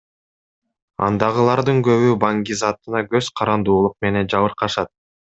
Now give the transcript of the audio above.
Андагылардын көбү баңгизатына көз карандуулук менен жабыркашат.